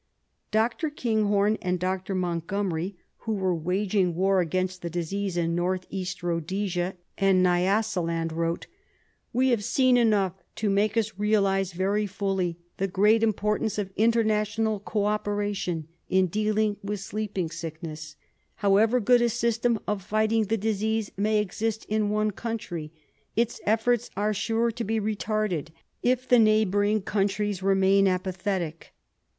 Dr. Kinghorn and Dr. Montgomery, who were waging 42 RESEARCH DEFENCE SOCIETY war against the disease in North East Ehodesia and Nyasa land, wrote :— "We have seen enough ... to make us reaUse very fully the great importance of international co operation in dealing with sleeping sickness. However good a system of fighting the disease may exist in one country, its efforts are sure to be retarded if the neighbouring countries remain apathetic.